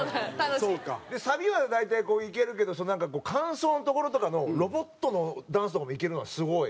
サビは大体いけるけどなんかこう間奏のところとかのロボットのダンスとかもいけるのはすごい。